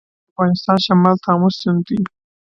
د افغانستان شمال ته امو سیند دی